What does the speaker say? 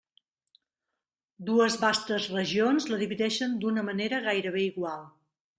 Dues vastes regions la divideixen d'una manera gairebé igual.